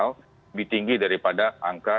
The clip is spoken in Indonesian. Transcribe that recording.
lebih tinggi daripada angka